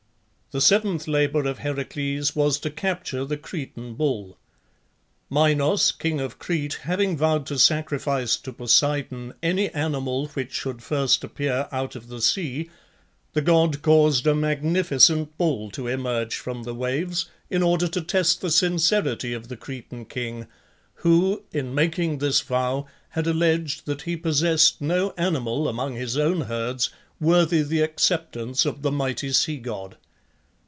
The seventh labour of Heracles was to capture the Cretan bull. Minos, king of Crete, having vowed to sacrifice to Poseidon any animal which should first appear out of the sea, the god caused a magnificent bull to emerge from the waves in order to test the sincerity of the Cretan king, who, in making this vow, had alleged that he possessed no animal, among his own herds, worthy the acceptance of the mighty sea god.